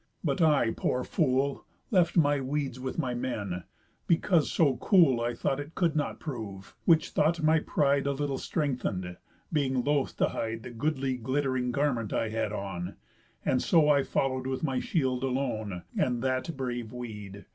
But I, poor fool, Left my weeds with my men, because so cool I thought it could not prove; which thought my pride A little strengthen'd, being loth to hide A goodly glitt'ring garment I had on; And so I follow'd with my shield alone, And that brave weed.